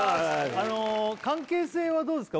あの関係性はどうですか？